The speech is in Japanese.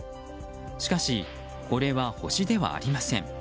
しかし、これは星ではありません。